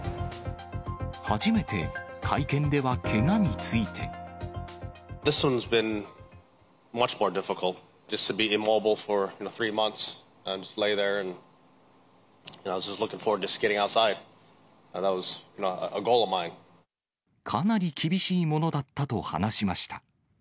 初めて会見ではけがについて。かなり厳しいものだったと話しました。